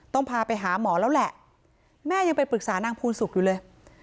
ต้องพาไปหาหมอแล้วแหละแม่ยังไปปรึกษานางภูนสุขอยู่เลย